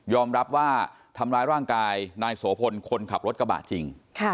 รับว่าทำร้ายร่างกายนายโสพลคนขับรถกระบะจริง